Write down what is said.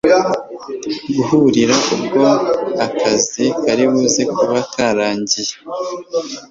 guhurira ubwo akazi karibuze kuba karangiye